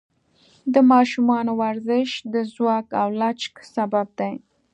د ماشومانو ورزش د ځواک او لچک سبب دی.